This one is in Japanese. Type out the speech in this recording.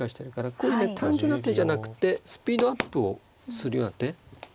こういうね単純な手じゃなくてスピードアップをするような手。